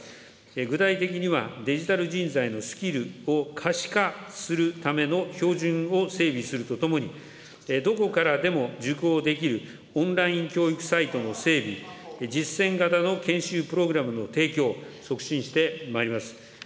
具体的には、デジタル人材のスキルを可視化するための標準を整備するとともに、どこからでも受講できるオンライン教育サイトの整備、実践型の研修プログラムの提供を促進してまいります。